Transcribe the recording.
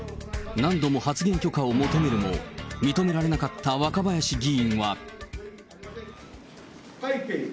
何度も発言許可を求めるも、認められなかった若林議員は。